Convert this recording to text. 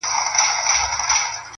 څوک به پوه سي چي له چا به ګیله من یې؟.!